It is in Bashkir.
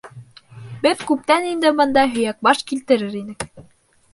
Беҙ күптән инде бында һөйәкбаш килтерер инек.